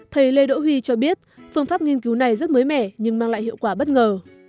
thầy lê đỗ huy cho biết phương pháp nghiên cứu này rất mới mẻ nhưng mang lại hiệu quả bất ngờ